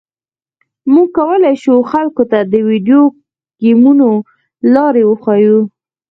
موږ کولی شو خلکو ته د ویډیو ګیمونو لارې وښیو